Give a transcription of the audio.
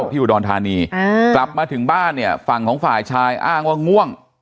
ที่อุดรธานีกลับมาถึงบ้านเนี่ยฝั่งของฝ่ายชายอ้างว่าง่วง